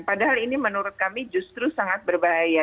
padahal ini menurut kami justru sangat berbahaya